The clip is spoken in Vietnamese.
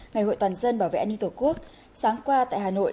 ngày hội toàn dân bảo vệ an ninh tổ quốc sáng qua tại hà nội